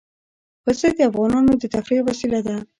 پسه د افغانانو د تفریح یوه وسیله ده.